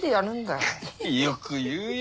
よく言うよ。